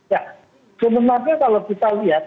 ya sebenarnya kalau kita lihat